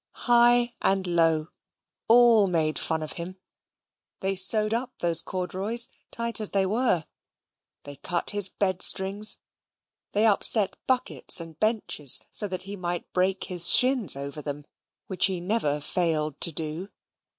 High and low, all made fun of him. They sewed up those corduroys, tight as they were. They cut his bed strings. They upset buckets and benches, so that he might break his shins over them, which he never failed to do.